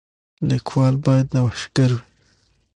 لیکوال باید نوښتګر وي.